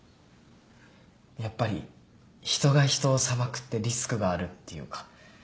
やっぱり人が人を裁くってリスクがあるっていうか。